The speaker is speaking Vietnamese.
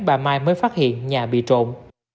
bà mai mới phát hiện nhà bị trộm